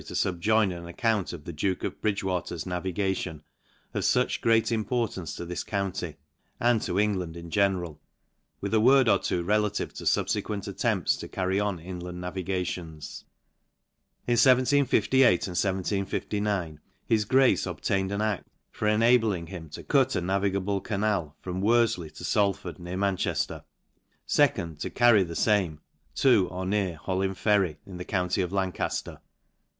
to fub join an account of the duke of Bndgewater's naviga tion, of fuch great importance to this county, and to England in general j with a word or two relative to fubfequent attempts to carry on inland naviga tions. In 1758 and 1759, his grace obtained an acl: for enabling him to cut a navigable canal from Worftcy to Salford, near Manchejler, and to carry the fame to or near Hollin Ferry, in the county' of Lancojhr.